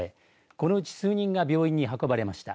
このうち数人が病院に運ばれました。